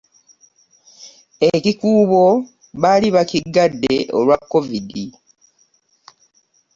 Ekikuubo bali bakigadde olwa kovidi .